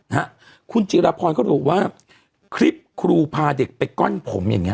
นะฮะคนจิลภรก็รู้ว่าคลิปครูพาเด็กไปก้อนผมอย่างงี้